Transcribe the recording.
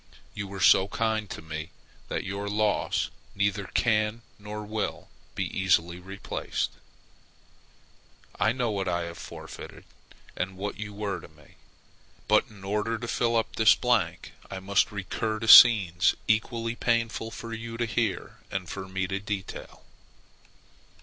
You were so kind to me that your loss neither can nor will be easily replaced. I know what I have forfeited, and what you were to me, but in order to fill up this blank I must recur to scenes equally painful for you to hear and for me to detail.